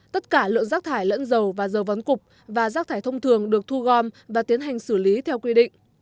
tất cả lượng rác thải lẫn dầu và dầu vón cục và rác thải thông thường được thu gom và tiến hành xử lý theo quy định